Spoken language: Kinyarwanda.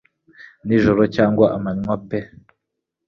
Nijoro cyangwa amanywa pe